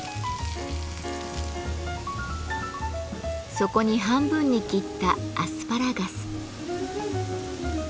そこに半分に切ったアスパラガス。